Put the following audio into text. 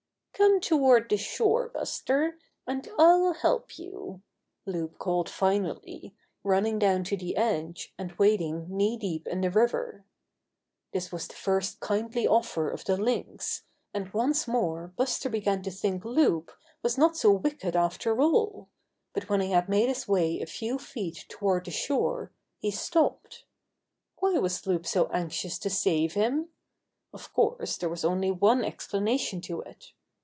"Come toward the shore, Buster, and I'll help you," Loup called finally, running down to the edge, and wading knee deep in the river. This was the first kindly offer of the Lynx, and once more Buster began to think Loup was not so wicked after all, but when he had made his way a few feet toward the shore he stopped. Why was Loup so anxious to save him? Of course, there was only one expla nation to it.